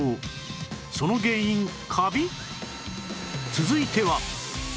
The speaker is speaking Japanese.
続いては